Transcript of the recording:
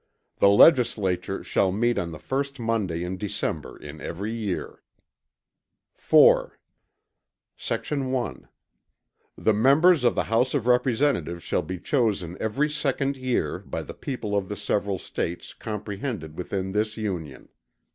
The Legislature shall meet on the first Monday in December in every year. IV Sect. 1. The Members of the House of Representatives shall be chosen every second year, by the people of the several States comprehended within this Union.